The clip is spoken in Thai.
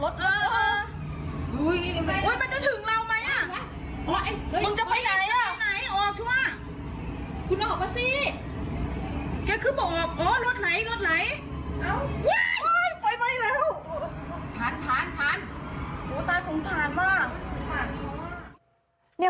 ตาสงสารมาก